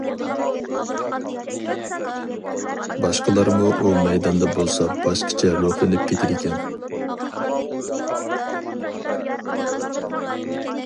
باشقىلارمۇ ئۇ مەيداندا بولسا باشقىچە روھلىنىپ كېتىدىكەن.